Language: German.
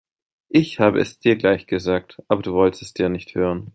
Ich habe es dir gleich gesagt, aber du wolltest ja nicht hören.